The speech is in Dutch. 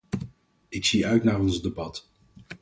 Ik zie uit naar ons debat.